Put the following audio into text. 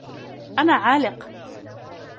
أنا عالق.